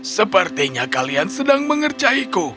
sepertinya kalian sedang mengercahiku